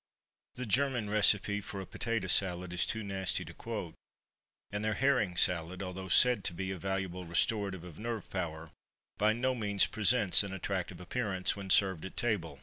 The German recipe for a potato salad is too nasty to quote; and their HERRING SALAD, although said to be a valuable restorative of nerve power, by no means presents an attractive appearance, when served at table.